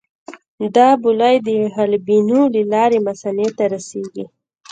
دا بولې د حالبینو له لارې مثانې ته رسېږي.